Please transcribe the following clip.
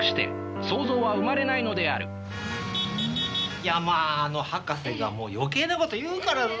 いやまあ博士がもう余計なこと言うからさ